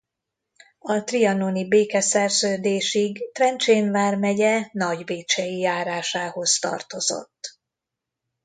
A trianoni békeszerződésig Trencsén vármegye Nagybiccsei járásához tartozott.